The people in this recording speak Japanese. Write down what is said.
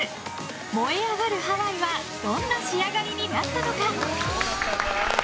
燃えあがるハワイはどんな仕上がりになったのか。